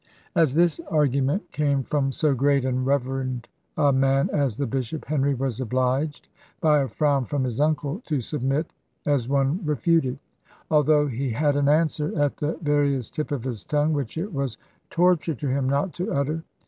As this argument came from so great and reverend a man as the bishop, Henry was obliged, by a frown from his uncle, to submit, as one refuted; although he had an answer at the veriest tip of his tongue, which it was torture to him not to utter.